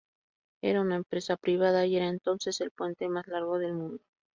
Era una empresa privada y era entonces el puente más largo del mundo.